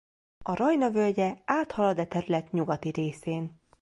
A Rajna völgye áthalad e terület nyugati részén.